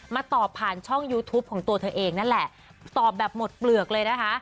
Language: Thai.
ตอบผ่านช่องยูทูปของตัวเธอเองนั่นแหละตอบแบบหมดเปลือกเลยนะคะ